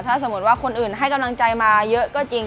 ถ้าสมมุติว่าคนอื่นให้กำลังใจมาเยอะก็จริง